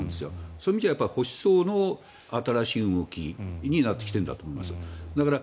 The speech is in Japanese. そういう意味では保守層の新しい動きになってきているんだと思います。